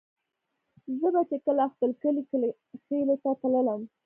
زه به چې کله خپل کلي کلاخېلو ته تللم.